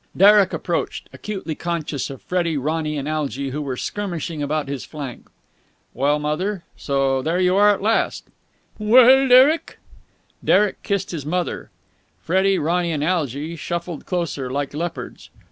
Derek approached, acutely conscious of Freddie, Ronny, and Algy, who were skirmishing about his flank. "Well, mother! So there you are at last!" "Well, Derek!" Derek kissed his mother. Freddie, Ronny, and Algy shuffled closer, like leopards.